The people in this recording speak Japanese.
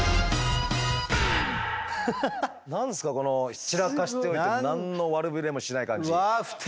何すかこの散らかしておいて何の悪びれもしない感じ。